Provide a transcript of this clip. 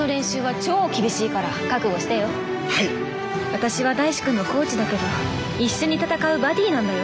私は大志くんのコーチだけど一緒に戦うバディなんだよ。